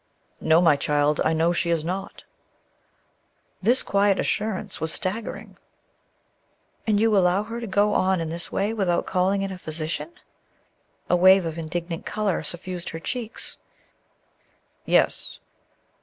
"No, my child; I know she is not." This quiet assurance was staggering. "And you allow her to go on in this way without calling in a physician?" A wave of indignant color suffused her cheeks. "Yes."